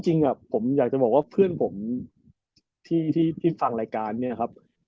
จริงผมอยากจะบอกว่าเพื่อนผมที่ฟังรายการเนี่ยครับ